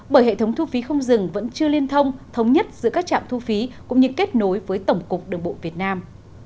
bởi hệ thống thu phí không dừng vẫn chưa liên thông thống nhất giữa các trạm thu phí cũng như kết nối với tổng cục đường bộ việt nam